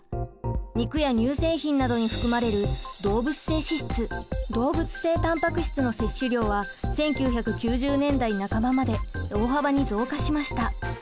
肉や乳製品などに含まれる動物性脂質動物性たんぱく質の摂取量は１９９０年代半ばまで大幅に増加しました。